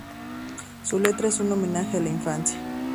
Su letra es un homenaje a la infancia.